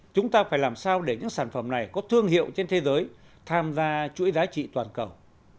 chúng ta phải làm sao để những sản phẩm này có thương hiệu trên thế giới tham gia chuỗi giá trị toàn cầu